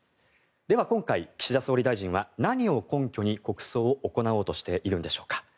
では今回、岸田総理大臣は何を根拠に国葬を行おうとしているんでしょうか。